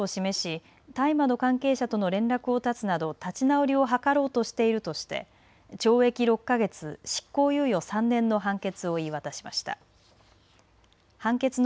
その一方で反省の態度を示し大麻の関係者との連絡を絶つなど立ち直りを図ろうとしているとして懲役６か月、執行猶予３年の判決を言い渡しました。